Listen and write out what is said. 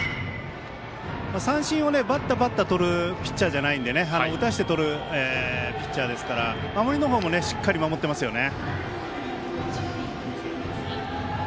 三振を、ばったばったとるピッチャーじゃないので打たしてとるピッチャーですから守りのほうもしっかり守ってますね。